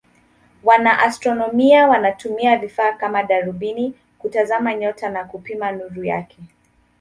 Wanaastronomia wanatumia vifaa kama darubini kutazama nyota na kupima nuru yake.